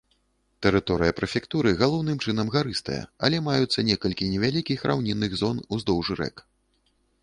Тэрыторыя прэфектуры галоўным чынам гарыстая, але маюцца некалькі невялікіх раўнінных зон уздоўж рэк.